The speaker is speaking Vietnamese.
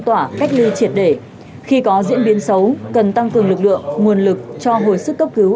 tỏa cách ly triệt để khi có diễn biến xấu cần tăng cường lực lượng nguồn lực cho hồi sức cấp cứu